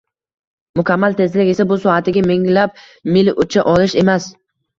Mukammal tezlik esa — bu soatiga minglab mil ucha olish emas.